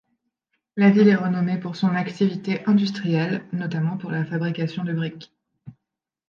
La ville est renommée pour son activité industrielle, notamment pour la fabrication de briques.